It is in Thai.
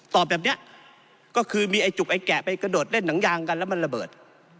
ตอบแบบนี้ก็คือมีไอ้จุกไอแกะไปกระโดดเล่นหนังยางกันแล้วมันระเบิด